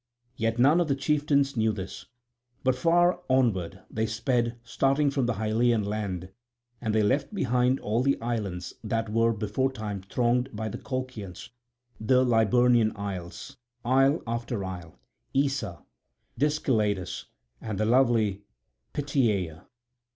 Yet none of the chieftains knew this; but far onward they sped starting from the Hyllean land, and they left behind all the islands that were beforetime thronged by the Colchians—the Liburnian isles, isle after isle, Issa, Dysceladus, and lovely Pityeia.